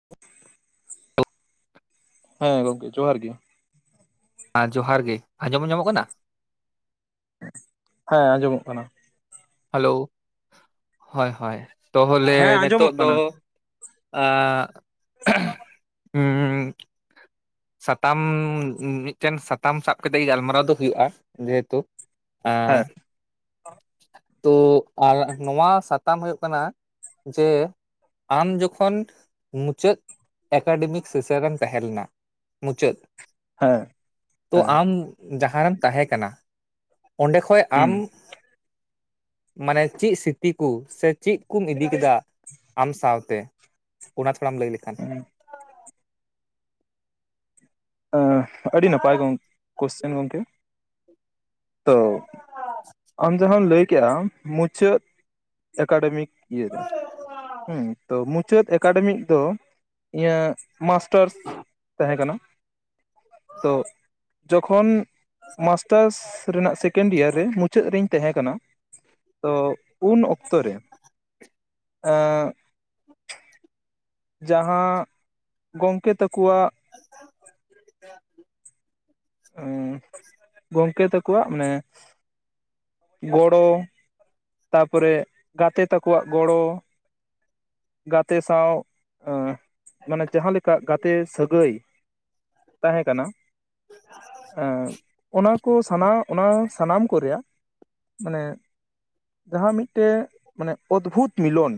[inaudible] ᱦᱮᱸ ᱜᱚᱝᱠᱮ ᱡᱚᱦᱟᱨ ᱜᱮ ᱟ ᱡᱚᱦᱟᱨ ᱜᱮ ᱟᱸᱡᱚᱢ ᱧᱟᱢᱚᱜ ᱠᱟᱱᱟ ᱦᱮᱸ ᱟᱸᱡᱚᱢᱚᱜ ᱠᱟᱱᱟ ᱦᱮᱞᱳ ᱦᱚᱭ ᱦᱚᱭ ᱛᱟᱦᱚᱞᱮ ᱦᱮᱸ ᱱᱤᱛᱚᱜ ᱟᱸᱡᱚᱢᱚᱜ ᱫᱚ ᱠᱟᱱᱟ ᱟᱜ [inaudible] ᱦᱩᱸ ᱥᱟᱛᱟᱢ ᱢᱤᱫᱴᱮᱱ ᱥᱟᱛᱟᱢ ᱥᱟᱵ ᱠᱟᱛᱮᱜ ᱜᱮ ᱜᱟᱞᱢᱟᱨᱟᱣ ᱫᱚ ᱦᱩᱭᱩᱜᱼᱟ ᱡᱮᱦᱩᱛᱩ ᱮᱸ ᱦᱮᱸ ᱛᱚ ᱟᱞᱟ ᱱᱚᱣᱟ ᱥᱟᱛᱟᱢ ᱦᱩᱭᱩᱜ ᱠᱟᱱᱟ ᱡᱮ ᱟᱢ ᱡᱚᱠᱷᱚᱱ ᱢᱩᱪᱟᱹᱫ ᱮᱠᱟᱰᱮᱢᱤᱠ ᱥᱮᱥᱮᱱ ᱨᱮᱢ ᱛᱟᱦᱮᱸ ᱞᱮᱱᱟ ᱢᱩᱪᱟᱹᱫ ᱦᱮᱸ ᱛᱚ ᱦᱮᱸ ᱟᱢ ᱡᱟᱦᱟᱸ ᱨᱮᱢ ᱛᱟᱦᱮᱸ ᱠᱟᱱᱟ ᱚᱸᱰᱮ ᱠᱷᱚᱡ ᱟᱢ ᱦᱩᱸ ᱢᱟᱱᱮ ᱪᱮᱫ ᱥᱨᱤᱛᱤ ᱠᱚ ᱥᱮ ᱪᱮᱫ ᱠᱩᱢ ᱤᱫᱤ ᱠᱮᱫᱟ ᱟᱢ ᱥᱟᱶᱛᱮ ᱚᱱᱟ ᱛᱷᱚᱲᱟᱢ ᱞᱟᱹᱭ ᱞᱮᱠᱷᱟᱱ [inaudible] ᱟ ᱟᱹᱰᱤ ᱱᱟᱯᱟᱭ ᱜᱚᱝ ᱠᱚᱥᱪᱮᱱ ᱜᱚᱢᱠᱮ ᱛᱚ ᱟᱢ ᱡᱟᱦᱟᱸᱢ ᱞᱟᱹᱭ ᱠᱮᱜ ᱟ ᱢᱩ ᱪᱟ. ᱜ ᱮᱠᱟᱰᱮᱢᱤᱠ ᱤᱭᱟᱹ ᱨᱮ ᱾ [inaudible] ᱦᱩᱸ, ᱛᱚ ᱢᱩᱪᱟᱹᱫ ᱮᱠᱟᱰᱮᱢᱤ ᱫᱚ ᱤᱧᱟᱹᱜ ᱢᱟᱥᱴᱟᱨᱥ ᱛᱟᱦᱮᱸ ᱠᱟᱱᱟ ᱾ ᱛᱚ ᱡᱚᱠᱷᱚᱱ ᱢᱟᱥᱴᱟᱨᱥ ᱨᱮᱱᱟᱜ ᱥᱮᱠ ᱥᱮᱠᱮᱱᱰ ᱤᱭᱟᱨ ᱨᱮ ᱢᱩᱪᱟᱹᱫ ᱨᱮᱧ ᱛᱟᱦᱮᱸ ᱠᱟᱱᱟ ᱾ ᱛᱚ ᱩᱱ ᱚᱠᱛᱚ ᱨᱮ ᱟᱸᱻ ᱡᱟᱦᱟᱸ ᱜᱚᱝᱠᱮ ᱛᱮᱠᱚᱣᱟᱜ [inaudible] [inaudible] ᱜᱚᱝᱠᱮ ᱛᱮᱠᱚᱣᱟᱜ ᱢᱟᱱᱮ ᱜᱚᱲᱚ, ᱛᱟᱯᱚᱨᱮ ᱜᱟᱛᱮ ᱛᱟᱠᱚᱣᱟᱜ ᱜᱚᱲᱚ ᱜᱟᱛᱮ ᱥᱟᱶ ᱢᱟᱱᱮ ᱡᱟᱦᱟᱸ ᱞᱮᱠᱟ ᱜᱟᱛᱮ ᱥᱟᱹᱜᱟᱹᱭ ᱛᱟᱦᱮᱸ ᱠᱟᱱᱟ [inaudible] ᱚᱱᱟ ᱠᱚ ᱥᱟᱱᱟᱣ ᱚᱱᱟ ᱥᱟᱱᱟᱢ ᱠᱚ ᱨᱮᱭᱟᱜ ᱢᱟᱱᱮ ᱡᱟᱦᱟᱸ ᱢᱤᱫᱴᱮᱡ ᱢᱟᱱᱮ ᱚᱫᱽᱵᱷᱩᱛ ᱢᱤᱞᱚᱱ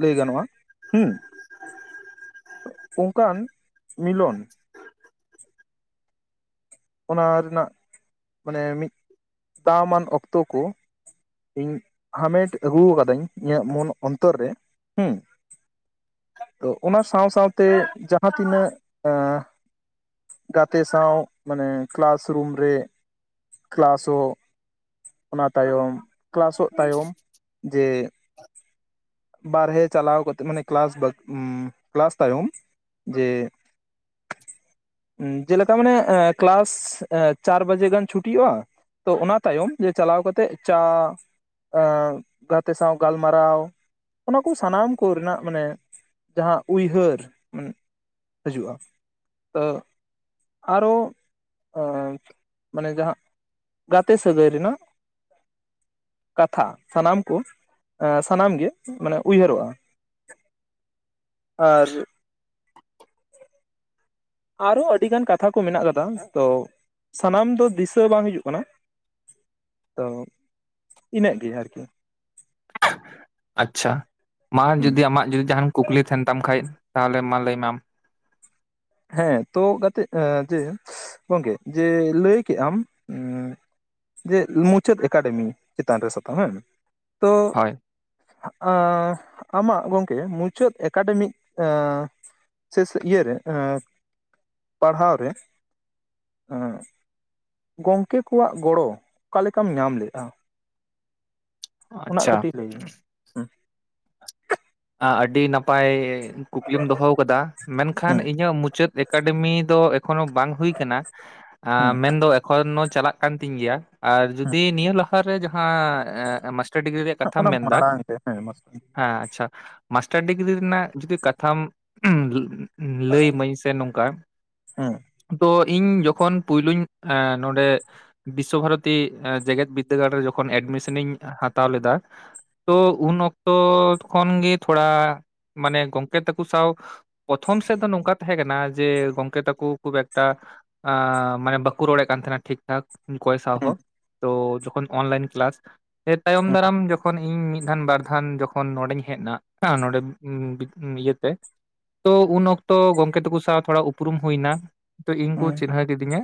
ᱞᱟᱹᱭ ᱜᱟᱱᱚᱜ-ᱟ ᱦᱩᱸ, ᱚᱱᱠᱟᱱ ᱢᱤᱞᱚᱱ ᱚᱱᱟ ᱨᱮᱱᱟᱜ ᱢᱟᱱᱮ ᱢᱤᱫ ᱫᱟᱢᱟᱱ ᱚᱠᱛᱚ ᱠᱚ ᱤᱧ ᱦᱟᱢᱮᱴ ᱟᱹᱜᱩ ᱟᱠᱟᱫᱟᱹᱧ ᱾ ᱤᱧᱟᱜ ᱢᱚᱱ ᱚᱱᱛᱚᱨ ᱨᱮ ᱦᱩᱸ ᱛᱚ ᱚᱱᱟ ᱥᱟᱶ ᱥᱟᱶᱛᱮ ᱡᱟᱦᱟᱸ ᱛᱤᱱᱟᱹᱜ, ᱟᱹ ᱜᱟᱛᱮ ᱥᱟᱶ ᱢᱟᱱᱮ ᱠᱞᱟᱥ ᱨᱩᱢ ᱨᱮ ᱠᱞᱟᱥ ᱚᱜ ᱚᱱᱟ ᱛᱟᱭᱚᱢ ᱠᱞᱟᱥᱚᱜ ᱛᱟᱭᱚᱢ ᱡᱮ ᱵᱟᱨᱦᱮ ᱪᱟᱞᱟᱣ ᱠᱟᱛᱮᱜ ᱢᱟᱱᱮ ᱠᱞᱟᱥ ᱵᱟᱹᱜ ᱠᱮᱞᱟᱥ ᱛᱟᱭᱚᱢ ᱡᱮ, ᱡᱮᱞᱮᱠᱟ ᱢᱟᱱᱮ ᱠᱞᱟᱥ ᱪᱟᱨ ᱵᱟᱡᱮ ᱜᱟᱱ ᱪᱷᱩᱴᱤᱣᱚᱜᱼᱟ ᱾ ᱛᱚ ᱚᱱᱟ ᱛᱟᱭᱚᱢ ᱡᱮ ᱪᱟᱞᱟᱣ ᱠᱟᱛᱮᱜ ᱪᱟ ᱜᱟᱛᱮ ᱥᱟᱶ ᱜᱟᱞᱢᱟᱨᱟᱣ ᱚᱱᱟ ᱠᱚ ᱥᱟᱱᱟᱢ ᱠᱚ ᱨᱮᱱᱟᱜ ᱢᱟᱱᱮ ᱡᱟᱦᱟᱸ ᱩᱭᱦᱟᱹᱨ ᱦᱤᱡᱩᱜ-ᱟ ᱟᱨᱚᱻ ᱢᱟᱱᱮ ᱡᱟᱦᱟᱸ ᱜᱟᱛᱮ ᱥᱟᱹᱜᱟᱹᱭ ᱨᱮᱱᱟᱜ ᱠᱟᱛᱷᱟ ᱥᱟᱱᱟᱢ ᱠᱚ ᱥᱟᱱᱟᱢ ᱜᱮ ᱢᱟᱱᱮ ᱩᱭᱦᱟᱹᱨᱚᱜᱼᱟ [inaudible] ᱟᱨ ᱟᱨ ᱦᱚᱸ ᱟᱹᱰᱤ ᱜᱟᱱ ᱠᱟᱛᱷᱟ ᱠᱚ ᱢᱮᱱᱟᱜ ᱟᱠᱟᱫᱟ ᱾ ᱛᱚ ᱥᱟᱱᱟᱢ ᱫᱚ ᱫᱤᱥᱟᱹ ᱵᱟᱝ ᱦᱤᱡᱩᱜ ᱠᱟᱱᱟ ᱾ ᱛᱚ ᱤᱱᱟᱹᱜ ᱜᱮ ᱟᱨᱠᱤ ᱟᱪᱪᱷᱟ, ᱢᱟ ᱦᱩᱸ ᱡᱩᱫᱤ ᱟᱢᱟᱜ ᱡᱩᱫᱤ ᱡᱟᱦᱟᱱ ᱠᱩᱠᱞᱤ ᱛᱟᱦᱮᱱ ᱛᱟᱢ ᱠᱷᱟᱡ ᱛᱟᱦᱚᱞᱮ ᱢᱟ ᱞᱟᱹᱭ ᱢᱮ ᱟᱢ ᱾ ᱦᱮᱸ, ᱛᱚ ᱜᱟᱛᱮᱜ ᱡᱮ ᱜᱚᱝᱠᱮ ᱡᱮ ᱞᱟᱹᱭ ᱠᱮᱜ ᱟᱢ ᱡᱮ ᱢᱩᱪᱟᱹᱫ ᱮᱠᱟᱰᱮᱢᱤ ᱪᱮᱛᱟᱱ ᱨᱮ ᱥᱟᱛᱟᱢ ᱦᱮᱸ [inaudible] ᱛᱚ ᱦᱳᱭ ᱟᱸ, ᱟᱢᱟᱜ ᱜᱚᱢᱠᱮ ᱢᱩᱪᱟᱹᱫ ᱮᱠᱟᱰᱤᱢᱤᱡ ᱥᱮ ᱤᱭᱟᱹ ᱨᱮ ᱯᱟᱲᱦᱟᱣ ᱨᱮ ᱜᱚᱝᱠᱮ ᱠᱚᱣᱟᱜ ᱜᱚᱲᱚ ᱚᱠᱟ ᱞᱮᱠᱟᱢ ᱧᱟᱢ ᱞᱮᱜᱼᱟ ᱾ ᱟᱪᱪᱷᱟ ᱾ ᱞᱟᱹᱭ ᱢᱮ ᱟ, ᱟᱹᱰᱤ ᱱᱟᱯᱟᱭᱻ ᱠᱩᱠᱞᱤᱢ ᱫᱚᱦᱚ ᱟᱠᱟᱫᱟ, ᱢᱮᱱᱠᱷᱟᱱ ᱦᱮᱸ ᱤᱧᱟᱹᱜ ᱢᱩᱪᱟᱹᱫ ᱮᱠᱟᱰᱮᱢᱤ ᱫᱚ ᱮᱠᱷᱚᱱᱚ ᱵᱟᱝ ᱦᱩᱭ ᱟᱠᱟᱱᱟ ᱦᱮᱸ ᱢᱮᱱ ᱫᱚ ᱮᱠᱷᱚᱱᱚ ᱪᱟᱞᱟᱜ ᱠᱟᱱ ᱛᱤᱧ ᱜᱮᱭᱟ ᱾ ᱟᱨ ᱡᱩᱫᱤ ᱱᱤᱭᱟᱹ ᱞᱟᱦᱟ [unintelligible] ᱨᱮ ᱡᱟᱦᱟᱸ ᱢᱟᱥᱴᱟᱨ ᱰᱤᱜᱽᱨᱤ ᱨᱮᱭᱟᱜ ᱠᱟᱛᱷᱟᱢ ᱚᱱᱟ ᱢᱮᱱᱫᱟ ᱢᱟᱲᱟᱝ ᱛᱮ ᱦᱮᱸ [unintelligible] ᱦᱮᱸ ᱟᱪᱪᱷᱟ ᱢᱟᱥᱴᱟᱨ ᱰᱤᱜᱽᱨᱤ ᱨᱮᱱᱟᱜ ᱡᱩᱫᱤ ᱠᱟᱛᱷᱟᱢ ᱞᱟᱹᱭ ᱟᱢᱟᱹᱧ ᱥᱮ ᱱᱚᱝᱠᱟ ᱦᱮᱸ ᱛᱚ ᱤᱧ ᱡᱚᱠᱷᱚᱱ ᱯᱩᱭᱞᱩᱧ ᱮᱸ ᱱᱚᱰᱮ ᱵᱤᱥᱥᱚ ᱵᱷᱟᱨᱚᱛᱤ ᱡᱮᱜᱮᱫ ᱵᱤᱨᱫᱟᱹᱜᱟᱲ ᱨᱮ ᱡᱚᱠᱷᱚᱱ ᱮᱰᱢᱤᱥᱚᱱᱤᱧ ᱦᱟᱛᱟᱣ ᱞᱮᱫᱟ ᱛᱚ ᱩᱱ ᱚᱠᱛᱚ ᱠᱷᱚᱱ ᱜᱮ ᱛᱷᱚᱲᱟ ᱢᱟᱱᱮ ᱜᱚᱝᱠᱮ ᱛᱟᱠᱚ ᱥᱟᱶ ᱯᱨᱚᱛᱷᱚᱢ ᱥᱮᱫ ᱫᱚ ᱱᱚᱝᱠᱟ ᱛᱟᱦᱮᱸ ᱠᱟᱱᱟ ᱡᱮ ᱜᱚᱝᱠᱮ ᱛᱟᱠᱚ ᱠᱷᱩᱵ ᱮᱠᱴᱟ ᱮᱸᱻ ᱢᱟᱱᱮ ᱵᱟᱠᱚ ᱨᱚᱲᱮᱜ ᱠᱟᱱ ᱛᱟᱦᱮᱱᱟ ᱴᱷᱤᱠ ᱮᱫ ᱚᱠᱚᱭ ᱥᱟᱶ ᱦᱮᱸ ᱦᱚᱸ ᱛᱚ ᱡᱚᱠᱷᱚᱱ ᱚᱱᱞᱟᱭᱤᱱ ᱠᱮᱞᱟᱥ ᱛᱟᱭᱚᱢ ᱦᱮᱸ ᱫᱟᱨᱟᱢ ᱡᱚᱠᱷᱚᱱ ᱤᱧ ᱢᱤᱫ ᱫᱷᱟᱱ ᱵᱟᱨ ᱫᱷᱟᱱ ᱡᱚᱠᱷᱚᱱ ᱱᱚᱸᱰᱮᱧ ᱦᱮᱡ ᱮᱱᱟ ᱱᱚᱰᱮ ᱤᱭᱟᱹᱛᱮ᱾ ᱛᱚ ᱩᱱ ᱚᱠᱛᱚ ᱜᱚᱢᱠᱮ ᱛᱟᱠᱚ ᱥᱟᱶ ᱛᱷᱚᱲᱟ ᱩᱯᱨᱩᱢ ᱦᱩᱭᱱᱟ ᱛᱚ ᱤᱧ ᱦᱮᱸ ᱠᱚ ᱪᱤᱱᱦᱟᱹᱣ ᱠᱤᱫᱤᱧᱟ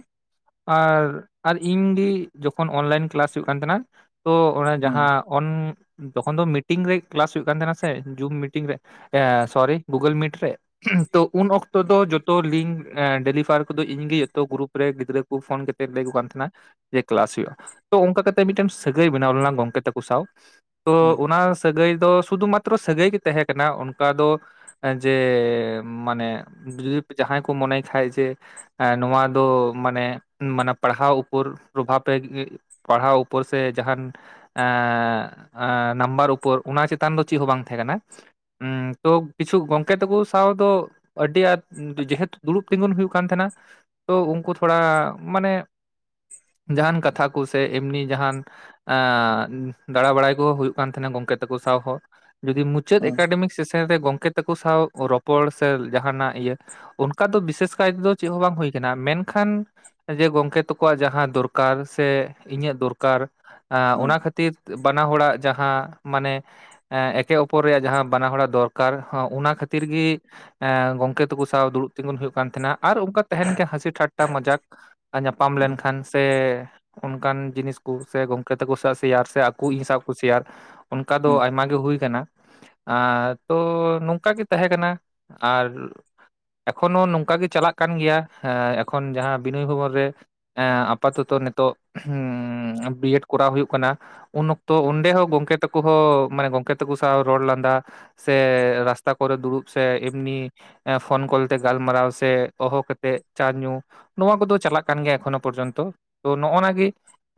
ᱟᱨ ᱟᱨ ᱤᱧ ᱜᱮ ᱡᱚᱠᱷᱚᱱ ᱚᱱᱞᱟᱭᱤᱱ ᱠᱮᱞᱟᱥ ᱦᱩᱭᱩᱜ ᱠᱟᱱ ᱛᱟᱦᱮᱱᱟ ᱛᱚ ᱚᱱᱟ ᱦᱮᱸ ᱡᱟᱦᱟᱸ ᱚᱱ ᱛᱚᱠᱷᱚᱱ ᱫᱚ ᱢᱤᱴᱤᱝ ᱨᱮ ᱠᱮᱞᱟᱥ ᱦᱩᱭᱩᱜ ᱠᱟᱱ ᱛᱟᱦᱮᱱᱟ ᱥᱮ ᱡᱩᱢ ᱢᱤᱴᱤᱝ ᱨᱮ ᱮ ᱥᱚᱨᱤ ᱜᱩᱜᱚᱞ ᱢᱤᱴ ᱨᱮ ᱛᱚ ᱩᱱ ᱚᱠᱛᱚ ᱫᱚ ᱡᱚᱛᱚ ᱞᱤᱝᱠ ᱮᱸ ᱰᱮᱞᱤᱵᱷᱟᱨ ᱠᱚᱫᱚ ᱤᱧᱜᱮ ᱡᱚᱛᱚ ᱜᱨᱩᱯ ᱨᱮ ᱜᱤᱫᱽᱨᱟᱹ ᱠᱚ ᱯᱷᱳᱱ ᱠᱟᱛᱮᱫ ᱞᱟᱹᱭᱟᱠᱚ ᱠᱟᱱ ᱛᱟᱦᱮᱱᱟ ᱡᱮ ᱠᱮᱞᱟᱥ ᱦᱩᱭᱩᱜᱼᱟ ᱛᱚ ᱚᱱᱠᱟ ᱠᱟᱛᱮᱜ ᱢᱤᱫᱴᱮᱱ ᱥᱟᱹᱜᱟᱹᱭ ᱵᱮᱱᱟᱣ ᱞᱮᱱᱟ ᱜᱚᱝᱠᱮ ᱛᱟᱠᱚ ᱥᱟᱶ ᱛᱚ ᱚᱱᱟ ᱥᱟᱹᱜᱟᱹᱭ ᱫᱚ ᱥᱩᱫᱩ ᱢᱟᱛ ᱛᱨᱚ ᱥᱟᱹᱜᱟᱹᱭ ᱜᱮ ᱛᱟᱦᱮᱸ ᱠᱟᱱᱟ ᱚᱱᱠᱟ ᱫᱚ ᱡᱮᱻ ᱢᱟᱱᱮ ᱡᱩᱫᱤ ᱡᱟᱦᱟᱸᱭ ᱠᱚ ᱢᱚᱱᱮ ᱠᱷᱟᱡ ᱡᱮ ᱮ ᱱᱚᱣᱟ ᱫᱚ ᱢᱟᱱᱮ ᱢᱟᱱᱮ ᱯᱟᱲᱦᱟᱣ ᱩᱯᱚᱨ ᱯᱨᱚᱵᱷᱟᱵᱮ ᱯᱟᱲᱦᱟᱣ ᱩᱯᱚᱨ ᱥᱮ ᱡᱟᱦᱟᱱ ᱮᱸᱻ ᱟ ᱱᱟᱢᱵᱟᱨ ᱩᱯᱚᱨ ᱚᱱᱟ ᱪᱮᱛᱟᱱ ᱫᱚ ᱪᱮᱫ ᱦᱚᱸ ᱵᱟᱝ ᱛᱟᱦᱮᱸ ᱠᱟᱱᱟ ᱩᱸ ᱛᱚ ᱠᱤᱪᱷᱩ ᱜᱚᱝᱠᱮ ᱛᱟᱠᱚ ᱥᱟᱶ ᱫᱚ ᱟᱹᱰᱤ ᱟᱸᱴ ᱡᱮᱦᱮᱛᱩ ᱫᱩᱲᱩᱵ ᱛᱤᱸᱜᱩᱱ ᱦᱩᱭᱩᱜ ᱠᱟᱱ ᱛᱟᱦᱮᱱᱟ ᱛᱚ ᱩᱱᱠᱩ ᱛᱷᱚᱲᱟ ᱢᱟᱱᱮ ᱡᱟᱦᱟᱱ ᱠᱟᱛᱷᱟ ᱠᱚ ᱥᱮ ᱮᱢᱱᱤ ᱡᱟᱦᱟᱱ ᱮᱸᱻ ᱫᱟᱸᱲᱟ ᱵᱟᱲᱟᱭ ᱠᱚᱦᱚᱸ ᱦᱩᱭᱩᱜ ᱠᱟᱱ ᱛᱟᱦᱮᱱᱟ ᱜᱚᱝᱠᱮ ᱛᱟᱠᱚ ᱥᱟᱶ ᱦᱚᱸ ᱡᱩᱫᱤ ᱢᱩᱪᱟᱹᱫ ᱮᱠᱟᱰᱮᱢᱤᱠ ᱥᱮᱥᱮᱱ ᱨᱮ ᱜᱚᱝᱠᱮ ᱛᱟᱠᱚ ᱥᱟᱶ ᱨᱚᱯᱚᱲ ᱥᱮ ᱡᱟᱦᱟᱱᱟᱜ ᱤᱭᱟᱹ ᱚᱱᱠᱟ ᱫᱚ ᱵᱤᱥᱮᱥ ᱠᱟᱭ ᱛᱮᱫᱚ ᱪᱮᱫ ᱦᱚᱸ ᱵᱟᱝ ᱦᱩᱭ ᱠᱟᱱᱟ ᱢᱮᱱᱠᱷᱟᱱ ᱡᱮ ᱜᱚᱝᱠᱮ ᱛᱟᱠᱚᱣᱟᱜ ᱡᱟᱦᱟᱸ ᱫᱚᱨᱠᱟᱨ ᱥᱮ ᱤᱧᱟᱹᱜ ᱫᱚᱨᱠᱟᱨ ᱮᱸ ᱚᱱᱟ ᱠᱷᱟᱹᱛᱤᱨ ᱵᱟᱱᱟ ᱦᱚᱲᱟᱜ ᱡᱟᱦᱟᱸ ᱢᱟᱱᱮ ᱮᱸ ᱮᱠᱮ ᱚᱯᱚᱨ ᱨᱮᱭᱟᱜ ᱡᱟᱦᱟᱸ ᱵᱟᱱᱟ ᱦᱚᱲᱟ ᱫᱚᱨᱠᱟᱨ ᱚᱱᱟ ᱠᱷᱟᱹᱛᱤᱨ ᱜᱮ ᱮᱸ ᱜᱚᱝᱠᱮ ᱛᱮᱠᱚ ᱥᱟᱶ ᱫᱩᱲᱩᱵ ᱛᱸᱤᱜᱩᱱ ᱦᱩᱭᱩᱜ ᱠᱟᱱ ᱛᱟᱦᱮᱱᱟ ᱟᱨ ᱚᱱᱠᱟ ᱛᱟᱦᱮᱱ ᱜᱮ ᱦᱟᱹᱥᱤ ᱴᱷᱟᱴᱴᱟ ᱢᱚᱡᱟᱠ ᱧᱟᱯᱟᱢ ᱞᱮᱱᱠᱷᱟᱱ ᱥᱮ ᱚᱱᱠᱟᱱ ᱡᱤᱱᱤᱥ ᱠᱚ ᱥᱮ ᱜᱚᱝᱠᱮ ᱛᱟᱠᱚ ᱥᱟᱶ ᱥᱮᱭᱟᱨ ᱥᱮ ᱟᱠᱚ ᱤᱧ ᱥᱟᱶ ᱠᱚ ᱥᱮᱭᱟᱨ ᱚᱱᱠᱟ ᱫᱚ ᱟᱭᱢᱟ ᱦᱩᱭ ᱠᱟᱱᱟ ᱟᱨ ᱛᱚ ᱱᱚᱝᱠᱟ ᱜᱮ ᱛᱟᱦᱮᱸ ᱠᱟᱱᱟ ᱟᱨ ᱮᱠᱷᱚᱱᱳ ᱱᱚᱝᱠᱟ ᱜᱮ ᱪᱟᱞᱟᱜ ᱠᱟᱱ ᱜᱮᱭᱟ ᱮᱠᱷᱚᱱ ᱡᱟᱦᱟᱸ ᱵᱤᱱᱚᱭ ᱵᱷᱚᱵᱚᱱ ᱨᱮ ᱮᱸ ᱟᱯᱟᱛᱚᱛᱚ ᱱᱤᱛᱚᱜ ᱩᱸᱻ ᱵᱤᱭᱮᱰ ᱠᱚᱨᱟᱣ ᱦᱩᱭᱩᱜ ᱠᱟᱱᱟ ᱩᱱ ᱛᱚ ᱚᱱᱰᱮ ᱦᱚᱸ ᱜᱚᱝᱠᱮ ᱛᱟᱠᱚ ᱦᱚᱸ ᱢᱟᱱᱮ ᱜᱚᱝᱠᱮ ᱛᱟᱠᱚ ᱥᱟᱶ ᱨᱚᱲ ᱞᱟᱸᱫᱟ ᱥᱮ ᱨᱟᱥᱛᱟ ᱠᱚᱨᱮ ᱫᱩᱲᱩᱵ ᱥᱮ ᱮᱢᱱᱤ ᱮᱸ ᱯᱷᱳᱱ ᱠᱚᱞᱛᱮ ᱜᱟᱞᱢᱟᱨᱟᱣ ᱥᱮ ᱦᱚᱦᱚ ᱠᱟᱛᱮᱜ ᱪᱟ ᱧᱩ ᱱᱚᱣᱟ ᱠᱚᱫᱚ ᱪᱟᱞᱟᱜ ᱠᱟᱱ ᱜᱮᱭᱟ ᱮᱠᱷᱚᱱᱳ ᱯᱚᱨᱡᱚᱱᱛᱚ ᱛᱚ ᱱᱚᱜᱼᱚᱱᱟ ᱜᱮ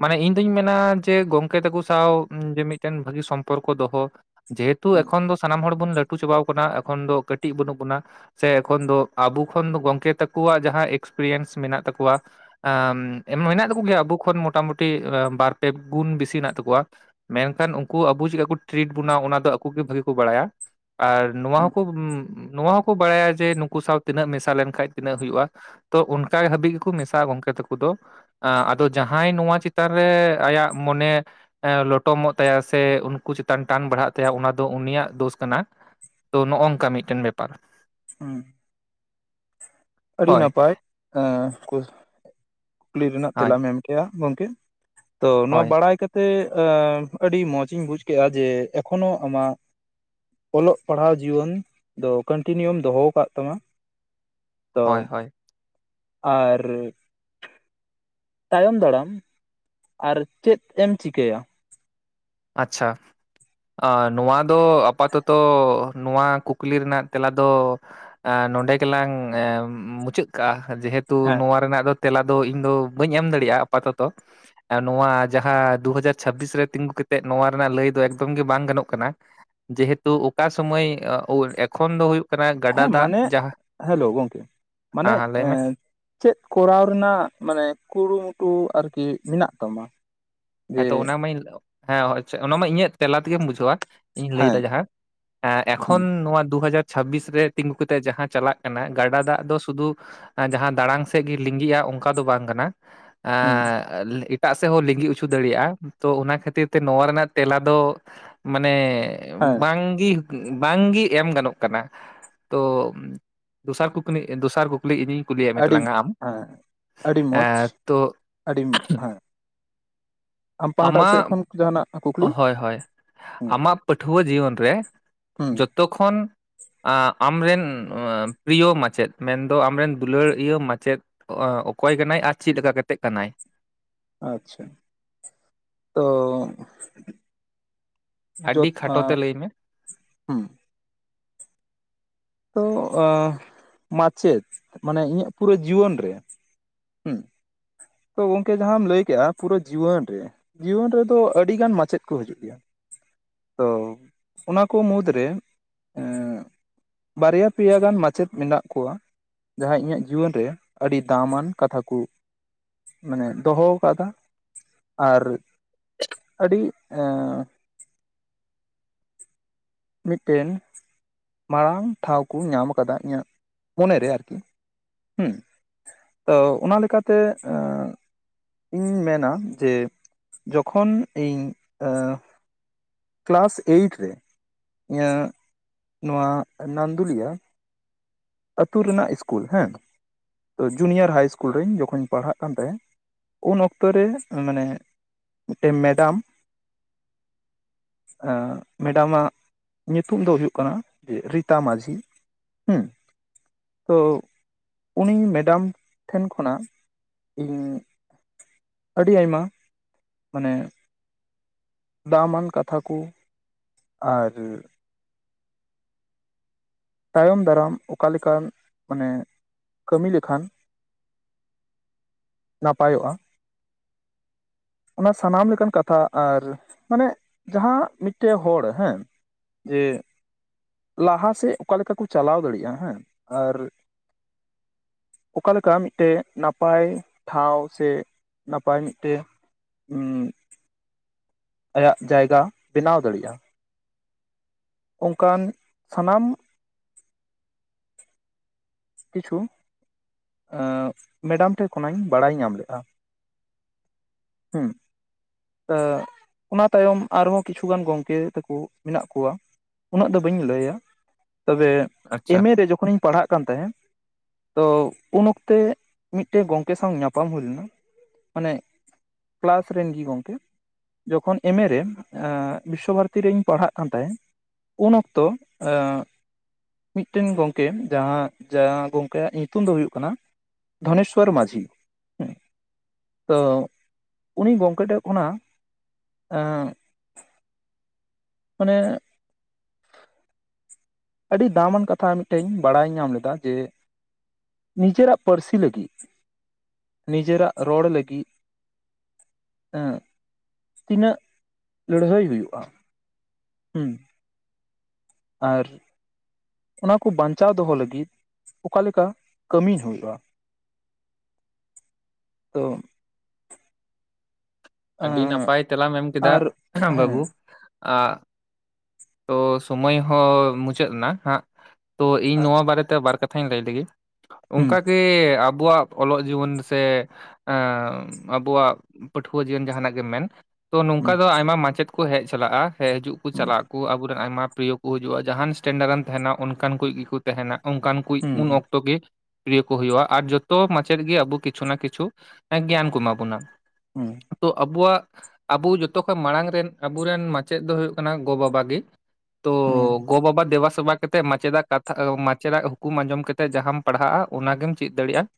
ᱢᱟᱱᱮ ᱤᱧ ᱫᱩᱧ ᱢᱮᱱᱟ ᱡᱮ ᱜᱚᱝᱠᱮ ᱛᱟᱠᱚ ᱥᱟᱶ ᱡᱮ ᱢᱤᱫᱴᱮᱱ ᱵᱷᱟᱹᱜᱤ ᱥᱚᱢᱯᱚᱨᱠᱚ ᱫᱚᱦᱚ ᱡᱮᱦᱮᱛᱩ ᱮᱠᱷᱚᱱ ᱫᱚ ᱥᱟᱱᱟᱢ ᱦᱚᱲ ᱵᱚᱱ ᱞᱟᱹᱴᱩ ᱪᱟᱵᱟᱣ ᱟᱠᱟᱱᱟ ᱮᱠᱷᱚᱱ ᱫᱚ ᱠᱟᱹᱴᱤᱡ ᱵᱟᱹᱱᱩᱜ ᱵᱚᱱᱟ ᱥᱮ ᱮᱠᱷᱚᱱ ᱫᱚ ᱟᱵᱚ ᱠᱷᱚᱱ ᱜᱚᱢᱠᱮ ᱛᱟᱠᱚᱣᱟᱜ ᱡᱟᱦᱟᱸ ᱮᱠᱥᱯᱨᱤᱭᱮᱱᱥ ᱢᱮᱱᱟᱜ ᱛᱟᱠᱚᱣᱟ ᱮᱢᱻ ᱢᱮᱱᱟᱜ ᱛᱟᱠᱚ ᱜᱮᱭᱟ ᱟᱵᱚ ᱠᱷᱚᱱ ᱢᱚᱴᱟᱢᱩᱴᱤ ᱵᱟᱨ ᱯᱮ ᱜᱩᱱ ᱵᱮᱥᱤ ᱦᱮᱱᱟᱜ ᱛᱟᱠᱚᱣᱟ ᱢᱮᱱᱠᱷᱟᱱ ᱩᱱᱠᱩ ᱟᱵᱳ ᱪᱤᱠᱟᱹ ᱠᱩ ᱴᱨᱤᱴ ᱵᱳᱱᱟ ᱚᱱᱟ ᱫᱚ ᱟᱠᱩ ᱜᱮ ᱵᱷᱟᱹᱜᱮ ᱠᱚ ᱵᱟᱲᱟᱭᱟ᱾ ᱟᱨ ᱱᱚᱣᱟ ᱦᱚᱸᱠᱚ ᱱᱚᱣᱟ ᱦᱚᱸᱠᱚ ᱵᱟᱲᱟᱭᱟ ᱡᱮ ᱱᱩᱠᱩ ᱥᱟᱶ ᱛᱤᱱᱟᱹᱜ ᱢᱮᱥᱟ ᱞᱮᱱᱠᱟᱡ ᱛᱤᱱᱟᱹᱜ ᱦᱩᱭᱩᱜᱼᱟ᱾ ᱛᱚ ᱚᱱᱠᱟ ᱦᱟᱹᱵᱤᱡ ᱜᱮᱠᱚ ᱢᱮᱥᱟᱜᱼᱟ ᱜᱚᱝᱠᱮ ᱛᱟᱠᱚ ᱫᱚ᱾ ᱟᱫᱚ ᱡᱟᱦᱟᱸᱭ ᱱᱚᱣᱟ ᱪᱮᱛᱟᱱ ᱨᱮ ᱟᱭᱟᱜ ᱢᱚᱱᱮ ᱞᱚᱴᱚᱢᱚᱜ ᱛᱟᱭᱟ ᱥᱮ ᱩᱱᱠᱩ ᱪᱮᱛᱟᱱ ᱴᱟᱱ ᱵᱟᱲᱦᱟᱜ ᱛᱟᱭᱟ ᱚᱱᱟ ᱫᱚ ᱩᱱᱤᱭᱟᱜ ᱫᱳᱥ ᱠᱟᱱᱟ ᱛᱚ ᱱᱚᱜᱼᱚᱝᱠᱟ ᱢᱤᱫᱴᱮᱱ ᱵᱮᱯᱟᱨ᱾ ᱦᱩᱸ ᱟᱹᱰᱤ ᱦᱳᱭ ᱱᱟᱯᱟᱭ ᱟᱸ ᱠᱩᱠᱞᱤ ᱨᱮᱱᱟᱜ ᱦᱳᱭ ᱛᱮᱞᱟᱢ ᱮᱢ ᱠᱮᱜᱼᱟ ᱜᱚᱝᱠᱮ᱾ ᱛᱚ ᱱᱚᱣᱟ ᱦᱳᱭ, ᱵᱟᱲᱟᱭ ᱠᱟᱛᱮᱜ ᱟ ᱟᱹᱰᱤ ᱢᱚᱸᱡᱽ ᱤᱧ ᱵᱩᱡᱽ ᱠᱮᱜᱼᱟ ᱡᱮ ᱮᱠᱷᱚᱱᱳ ᱟᱢᱟᱜ ᱚᱞᱚᱜ ᱯᱟᱲᱦᱟᱣ ᱡᱤᱭᱚᱱ ᱫᱚ ᱠᱚᱱᱴᱤᱱᱤᱭᱩᱢ ᱫᱚᱦᱚ ᱠᱟᱫ ᱛᱟᱢᱟ ᱛᱚ ᱦᱳᱭ, ᱦᱳᱭ, ᱟᱨ ᱛᱟᱭᱚᱢ ᱫᱟᱲᱟᱢ ᱟᱨ ᱪᱮᱫ ᱮᱢ ᱪᱤᱠᱟᱹᱭᱟ? ᱟᱪᱷᱟ ᱟ ᱱᱚᱣᱟ ᱫᱚ ᱟᱯᱟᱛᱚᱛᱚ ᱱᱚᱣᱟ ᱠᱩᱠᱞᱤ ᱨᱮᱱᱟᱜ ᱛᱮᱞᱟ ᱫᱚ ᱱᱚᱱᱰᱮ ᱜᱮᱞᱟᱝ ᱢᱩᱪᱟᱹᱫ ᱠᱟᱜᱼᱟ ᱡᱮᱦᱮᱛᱩ ᱦᱮᱸ ᱱᱚᱶᱟᱸ ᱨᱮᱱᱟᱜ ᱛᱮᱞᱟ ᱫᱚ ᱤᱧ ᱫᱚ ᱵᱟᱹᱧ ᱮᱢ ᱫᱟᱲᱮᱭᱟᱜᱼᱟ ᱟᱯᱟᱛᱚᱛᱚ ᱟᱨ ᱱᱚᱣᱟ ᱡᱟᱦᱟᱸ ᱫᱩᱦᱟᱡᱟᱨ ᱪᱷᱟᱵᱽᱵᱤᱥ ᱨᱮ ᱛᱤᱸᱜᱩ ᱠᱟᱛᱮ ᱱᱚᱣᱟ ᱨᱮᱱᱟᱜ ᱞᱟᱹᱭ ᱫᱚ ᱮᱠᱫᱚᱢ ᱜᱮ ᱵᱟᱝ ᱜᱟᱱᱚᱜ ᱠᱟᱱᱟ᱾ ᱡᱮᱦᱮᱛᱩ ᱚᱠᱟ ᱥᱟᱹᱢᱟᱹᱭ ᱟᱜ ᱳᱞ ᱮᱠᱷᱚᱱ ᱫᱚ ᱠᱟᱱᱟ ᱜᱟᱰᱟ ᱦᱳᱸ ᱫᱟᱜ ᱢᱟᱱᱮ ᱡᱟᱦᱟᱸ ᱦᱮᱞᱳ ᱜᱚᱢᱠᱮ ᱢᱟᱱᱮ ᱦᱮᱸ ᱦᱮᱸ ᱞᱟᱹᱭ ᱮ ᱢᱮ ᱪᱮᱫ ᱠᱚᱨᱟᱣ ᱨᱮᱱᱟᱜ ᱢᱟᱱᱮ ᱠᱩᱲᱩᱢᱩᱴᱩ ᱟᱨᱠᱤ ᱢᱮᱱᱟᱜ ᱛᱟᱢᱟ? ᱦᱮᱸ ᱡᱮ ᱛᱚ ᱚᱱᱟ ᱢᱟᱹᱧ ᱦᱮᱸ ᱟᱪᱷᱟ ᱚᱱᱟ ᱢᱟ ᱤᱧᱟᱹᱜ ᱛᱮᱞᱟ ᱛᱮᱜᱮᱢ ᱵᱩᱡᱷᱟᱹᱣ᱾ ᱤᱧ ᱞᱟᱹᱭᱫᱟ ᱦᱮᱸ ᱡᱟᱦᱟᱸ ᱮ ᱦᱩᱸ ᱮᱠᱷᱚᱱ ᱱᱚᱣᱟ ᱫᱩ ᱦᱟᱡᱟᱨ ᱪᱷᱟᱵᱽᱵᱤᱥ ᱨᱮ ᱛᱤᱸᱜᱩ ᱠᱟᱛᱮᱜ ᱡᱟᱦᱟᱸ ᱪᱟᱞᱟᱜ ᱠᱟᱱᱟ ᱜᱟᱰᱟ ᱫᱟᱜ ᱫᱚ ᱥᱩᱫᱩ ᱡᱟᱦᱟᱸ ᱫᱟᱲᱟᱝ ᱥᱮᱷ ᱜᱮ ᱞᱤᱸᱜᱤᱜᱼᱟ ᱚᱱᱠᱟ ᱫᱚ ᱵᱟᱝ ᱠᱟᱱᱟ᱾ ᱦᱩᱸ ᱟᱜ ᱮᱴᱟᱜ ᱥᱮᱫ ᱦᱚᱸ ᱞᱤᱸᱜᱤ [unintelligible] ᱫᱟᱲᱮᱭᱟᱜᱼᱟ ᱛᱚ ᱚᱱᱟ ᱠᱷᱟᱹᱛᱤᱨ ᱛᱮ ᱱᱚᱣᱟ ᱨᱮᱱᱟᱜ ᱛᱮᱞᱟ ᱫᱚ ᱢᱟᱱᱮ ᱦᱮᱸ ᱵᱟᱝᱜᱤ ᱵᱟᱝᱜᱤ ᱮᱢ ᱜᱟᱱᱚᱜ ᱠᱟᱱᱟ ᱛᱚ ᱫᱚᱥᱟᱨ ᱠᱩᱠᱞᱤ ᱫᱚᱥᱟᱨ ᱠᱩᱠ ᱞᱤ ᱤᱧᱤᱧ ᱠᱩᱞᱤᱭᱮᱫ ᱢᱮ ᱟᱹᱰᱤ ᱛᱟᱞᱟᱝᱼᱟ ᱟᱢ ᱦᱮᱸ ᱮᱸ ᱛᱚ ᱟᱰᱤᱢ [unintelligible] ᱟᱢᱟᱜ ᱠᱷᱚᱱ ᱡᱟᱦᱟᱱᱟᱜ ᱠᱩᱠᱞᱤ ᱦᱳᱭ ᱦᱳᱭ ᱦᱩᱸ ᱟᱢᱟᱜ ᱯᱟᱹᱴᱷᱩᱣᱟᱹ ᱡᱤᱭᱚᱱ ᱨᱮ ᱦᱩᱸ ᱡᱷᱚᱛᱚ ᱠᱷᱚᱱ ᱟᱢᱨᱮᱱ ᱯᱨᱤᱭᱚ ᱢᱟᱪᱮᱫ ᱢᱮᱱᱫᱚ ᱟᱢᱨᱮᱱ ᱫᱩᱞᱟᱹᱲ ᱤᱭᱟᱹ ᱢᱟᱪᱮᱫ ᱚᱠᱚᱭ ᱠᱟᱱᱟᱭ? ᱟᱨ ᱪᱮᱫ ᱞᱮᱠᱟ ᱠᱟᱛᱮ ᱠᱟᱱᱟᱭ? ᱟᱪᱷᱟ ᱛᱚ ᱟᱹᱰᱤ ᱡᱷᱚᱛᱚ ᱠᱷᱟᱴᱚ ᱛᱮ ᱞᱟᱹᱭ ᱢᱮ ᱦᱮᱸ ᱛᱚ ᱟᱦ ᱢᱟᱪᱮᱫ ᱢᱟᱱᱮ ᱤᱧᱟᱹᱜ ᱯᱩᱨᱟᱹ ᱡᱤᱣᱟᱹᱱ ᱨᱮ? ᱦᱩᱸ ᱛᱚ ᱜᱚᱢᱠᱮ ᱡᱟᱦᱟᱸᱢ ᱞᱟᱹᱭ ᱠᱮᱜᱼᱟ ᱯᱩᱨᱟᱹ ᱡᱤᱣᱟᱹᱱ ᱨᱮ ᱡᱤᱭᱚᱱ ᱨᱮᱫᱚ ᱟᱹᱰᱤ ᱜᱟᱱ ᱢᱟᱪᱮᱫ ᱠᱚ ᱦᱤᱡᱩᱜ ᱜᱮᱭᱟ᱾ ᱛᱚ ᱚᱱᱟᱠᱚ ᱢᱩᱫᱽᱨᱮ ᱮᱸ ᱵᱟᱨᱭᱟ ᱯᱮᱭᱟ ᱜᱟᱱ ᱢᱟᱪᱮᱫ ᱢᱮᱱᱟᱜ ᱠᱚᱣᱟ᱾ ᱡᱟᱦᱟᱸ ᱤᱧᱟᱹᱜ ᱡᱤᱣᱟᱹᱱ ᱨᱮ ᱟᱹᱰᱤ ᱫᱟᱢᱟᱱ ᱠᱟᱛᱷᱟ ᱠᱚ ᱢᱟᱱᱮ ᱫᱚᱦᱚᱣᱠᱟᱫᱟ ᱟᱨ ᱟᱹᱰᱤ ᱮᱸᱜ ᱢᱤᱫᱴᱮᱱ ᱢᱟᱨᱟᱝ ᱴᱷᱟᱶ ᱠᱚ ᱧᱟᱢ ᱟᱠᱟᱫ-ᱟ ᱤᱧᱟᱹᱜ ᱢᱚᱱᱮ ᱨᱮ ᱟᱨᱠᱤ ᱦᱩᱸ ᱛᱳ ᱚᱱᱟ ᱞᱮᱠᱟᱛᱮ ᱤᱧ ᱢᱮᱱᱟ ᱡᱮ ᱡᱚᱠᱷᱚᱱ ᱤᱧ ᱟ. ᱠᱮᱞᱟᱥ ᱮᱭᱤᱴ ᱨᱮ ᱤᱧᱟᱹᱜ ᱱᱚᱣᱟ ᱱᱟᱱᱫᱩᱞᱤᱭᱟ ᱟᱛᱩ ᱨᱮᱱᱟᱜ ᱤᱥᱠᱩᱞ ᱦᱮᱸ ᱛᱳ ᱡᱩᱱᱤᱭᱟᱨ ᱦᱟᱭ ᱤᱥᱠᱩᱞ ᱨᱮᱧ ᱡᱚᱠᱷᱚᱱ ᱤᱧ ᱯᱟᱲᱦᱟᱜ ᱠᱟᱱ ᱛᱟᱦᱮᱸᱫ ᱩᱱ ᱚᱠᱛᱚ ᱨᱮ ᱢᱟᱱᱮ ᱢᱤᱫᱴᱮᱱ ᱢᱮᱰᱟᱢ ᱢᱮᱰᱟᱢ ᱟᱜ ᱧᱩᱛᱩᱢ ᱫᱚ ᱦᱩᱭᱩᱜ ᱠᱟᱱᱟ ᱨᱤᱛᱟ ᱢᱟᱹᱡᱷᱤ ᱛᱳ ᱩᱱᱤ ᱢᱮᱰᱟᱢ ᱴᱷᱮᱱ ᱠᱷᱚᱱᱟᱜ ᱤᱧ ᱟᱹᱰᱤ ᱟᱭᱢᱟ ᱢᱟᱱᱮ, ᱫᱟᱢᱟᱱ ᱠᱟᱛᱷᱟ ᱠᱚ ᱟᱨ, ᱛᱟᱭᱚᱢ ᱫᱟᱨᱟᱢ ᱚᱠᱟᱞᱮᱠᱟᱱ ᱢᱟᱱᱮ ᱠᱟᱹᱢᱤ ᱞᱮᱠᱷᱟᱱ, ᱱᱟᱯᱟᱭᱚᱜᱼᱟ, [unintelligible] ᱚᱱᱟ ᱥᱟᱱᱟᱢ ᱞᱮᱠᱟᱱ ᱠᱟᱛᱷᱟ ᱟᱨ ᱢᱟᱱᱮ ᱡᱟᱦᱟᱸ ᱢᱤᱫᱴᱮᱱ ᱦᱚᱲ ᱦᱮᱸ ᱡᱮ, ᱞᱟᱦᱟ ᱥᱮᱫ ᱚᱠᱟ ᱞᱮᱠᱟ ᱠᱚ ᱪᱟᱞᱟᱣ ᱫᱟᱲᱮᱭᱟᱜᱼᱟ ᱦᱮᱸ ᱟᱨ, ᱚᱠᱟ ᱞᱮᱠᱟ ᱢᱤᱫ ᱴᱮᱱ ᱱᱟᱯᱟᱭ ᱴᱷᱟᱶ ᱥᱮ, ᱱᱟᱯᱟᱭ ᱢᱤᱫᱴᱮᱱ, ᱟᱭᱟᱜ ᱡᱟᱭᱜᱟ ᱵᱮᱱᱟᱣ ᱫᱟᱲᱮᱭᱟᱜᱼᱟ᱾ ᱚᱝᱠᱟᱱ ᱥᱟᱱᱟᱢ ᱠᱤᱪᱷᱩ ᱢᱮᱰᱟᱢ ᱴᱷᱮᱜ ᱠᱷᱚᱱᱟᱱᱧ ᱵᱟᱲᱟᱭ ᱧᱟᱢ ᱞᱮᱜᱼᱟ᱾ ᱦᱩᱸ ᱚᱱᱟ ᱛᱟᱭᱚᱢ ᱟᱨᱦᱚᱸ ᱠᱤᱪᱷᱩ ᱜᱟᱱ ᱜᱚᱝᱠᱮ ᱛᱟᱠᱩ ᱢᱮᱱᱟᱜ ᱠᱚᱣᱟ ᱩᱱᱟᱹᱜ ᱫᱚ ᱵᱟᱹᱧ ᱞᱟᱹᱭᱟ, ᱛᱚᱵᱮ ᱟᱪᱪᱷᱟ ᱮᱢᱮ ᱨᱮ ᱡᱚᱠᱷᱚᱱᱤᱧ ᱯᱟᱲᱦᱟᱜ ᱠᱟᱱ ᱛᱟᱦᱮᱸᱱ ᱛᱚ ᱩᱱ ᱚᱠᱛᱮ ᱢᱤᱜᱴᱮᱡ ᱜᱚᱝᱠᱮ ᱥᱟᱶ ᱧᱟᱯᱟᱢ ᱦᱩᱭ ᱞᱮᱱᱟ ᱢᱟᱱᱮ ᱠᱮᱞᱟᱥ ᱨᱮᱱ ᱜᱤ ᱜᱚᱝ ᱪᱮᱫ ᱡᱚᱠᱷᱚᱱ ᱮᱢᱮ ᱨᱮ ᱵᱤᱥᱥᱚ ᱵᱷᱟᱨᱚᱛᱤ ᱨᱤᱧ ᱯᱟᱲᱦᱟᱜ ᱠᱟᱱ ᱛᱟᱦᱮᱸᱜ᱾ ᱩᱱ ᱚᱠᱛᱚ ᱮᱸ ᱢᱤᱜᱴᱮᱱ ᱜᱚᱝᱠᱮ ᱡᱟᱦᱟᱸ ᱡᱟᱦᱟᱸ ᱜᱚᱝᱠᱮᱭᱟᱜ ᱧᱩᱛᱩᱢ ᱫᱚ ᱦᱩᱭᱩᱜ ᱠᱟᱱᱟ ᱫᱷᱚᱱᱮᱥᱚᱨ ᱢᱟᱡᱷᱤ᱾ ᱦᱩᱸ ᱛᱳ ᱩᱱᱤ ᱜᱚᱝᱠᱮ ᱴᱷᱮᱜ ᱚᱱᱟ ᱮᱸ ᱢᱟᱱᱮ ᱟᱹᱰᱤ ᱫᱟᱢᱟᱱ ᱠᱟᱛᱷᱟ ᱢᱤᱜᱴᱮᱡ ᱤᱧ ᱵᱟᱲᱟᱭ ᱧᱟᱢ ᱞᱮᱫᱟ᱾ ᱡᱮ ᱱᱤᱡᱮᱨᱟᱜ ᱯᱟᱹᱨᱥᱤ ᱞᱟᱹᱜᱤᱜ ᱱᱤᱡᱮᱨᱟᱜ ᱨᱚᱲ ᱞᱟᱹᱜᱤᱜ ᱛᱤᱱᱟᱹᱜ ᱞᱟᱹᱲᱦᱟᱹᱭ ᱦᱩᱭᱩᱜᱼᱟ᱾ ᱦᱩᱸ ᱟᱨ ᱚᱱᱟᱠᱩ ᱵᱟᱧᱪᱟᱣ ᱫᱚᱦᱚ ᱞᱟᱹᱜᱤᱫ ᱚᱠᱟᱞᱮᱠᱟ ᱠᱟᱹᱢᱤ ᱦᱩᱭᱩᱜᱼᱟ᱾ ᱛᱳ ᱟᱹᱰᱤ ᱱᱟᱯᱟᱭ ᱛᱮᱞᱟᱢ ᱮᱢ ᱠᱮᱫᱟ ᱟᱨ ᱵᱟᱹᱵᱩ᱾ ᱦᱮᱸ ᱛᱳ ᱥᱚᱢᱚᱭ ᱦᱚᱸ ᱢᱩᱪᱟᱹᱫ ᱱᱟ ᱦᱟᱸᱜ ᱛᱳ ᱤᱧ ᱱᱚᱣᱟ ᱟᱪᱪᱷᱟ ᱵᱟᱨᱮ ᱛᱮ ᱵᱟᱨ ᱠᱟᱛᱷᱟᱧ ᱞᱟᱹᱭ ᱞᱮᱜᱮ, ᱦᱩᱸ ᱚᱝᱠᱟᱜᱮ ᱟᱵᱚᱣᱟᱜ ᱚᱞᱚᱜ ᱡᱤᱭᱚᱱ ᱥᱮ ᱟᱵᱚᱣᱟᱜ ᱯᱟᱹᱴᱷᱩᱣᱟᱹ ᱡᱤᱭᱚᱱ ᱡᱟᱦᱟᱸᱱᱟᱜ ᱜᱮᱢ ᱢᱮᱱ ᱛᱳ ᱱᱚᱝᱠᱟ ᱦᱩᱸ ᱫᱚ ᱟᱭᱢᱟ ᱢᱟᱪᱮᱫ ᱠᱚ ᱦᱮᱡ ᱪᱟᱞᱟᱜᱼᱟ᱾ ᱦᱮᱡ ᱦᱤᱡᱩᱜ ᱠᱩ ᱪᱟᱞᱟᱜ ᱦᱩᱸ ᱠᱩ ᱟᱵᱚᱨᱮᱱ ᱟᱭᱢᱟ ᱯᱨᱤᱭᱚ ᱠᱚ ᱦᱤᱡᱩᱜᱼᱟ᱾ ᱡᱟᱸᱦᱟᱸᱱ ᱤᱥᱴᱮᱱᱰᱟᱨ ᱮᱢ ᱛᱟᱦᱮᱱᱟ ᱚᱱᱠᱟᱱ ᱠᱚᱡ ᱜᱤᱠᱚ ᱛᱟᱦᱮᱸᱱᱟ ᱚᱝᱠᱟᱱ ᱠᱩᱭᱤᱡ ᱩᱱ ᱦᱩᱸ ᱚᱠᱛᱚ ᱜᱮ ᱯᱨᱤᱭᱚ ᱠᱚ ᱦᱩᱭᱩᱜᱼᱟ, ᱟᱨ ᱡᱚᱛᱚ ᱢᱟᱪᱮᱫ ᱜᱮ ᱟᱵᱚ ᱠᱤᱪᱷᱩ ᱱᱟ ᱠᱤᱪᱷᱩ ᱜᱮᱭᱟᱱ ᱠᱚ ᱮᱢᱟ ᱵᱚᱱᱟ᱾ ᱦᱩᱸ ᱛᱚ ᱟᱵᱚᱣᱟᱜ ᱟᱵᱚ ᱡᱚᱛᱚᱠᱷᱚᱡ ᱢᱟᱲᱟᱝ ᱨᱮᱱ ᱟᱵᱩᱨᱮᱱ ᱢᱟᱪᱮᱫ ᱫᱚ ᱦᱩᱭᱩᱜ ᱠᱟᱱᱟ ᱜᱚᱼᱵᱟᱵᱟ ᱜᱮ᱾ ᱛᱚ ᱦᱩᱸ ᱜᱳ ᱵᱟᱵᱟ ᱫᱮᱵᱟ ᱥᱮᱵᱟ ᱠᱟᱛᱮᱜ ᱢᱟᱪᱮᱫᱟᱜ ᱠᱟᱛᱷᱟ ᱢᱟᱪᱮᱫᱟᱜ ᱦᱩᱠᱩᱢ ᱟᱸᱡᱚᱢ ᱠᱟᱛᱮᱜ ᱡᱟᱦᱟᱸᱢ ᱯᱟᱲᱦᱟᱜᱼᱟ, ᱚᱱᱟᱜᱮᱢ ᱪᱤᱜ ᱫᱟᱲᱮᱜᱼᱟ᱾